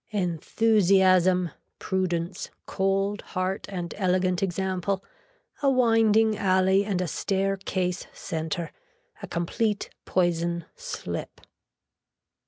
Enthusiasm, prudence, cold heart and elegant example, a winding alley and a stair case center, a complete poison slip.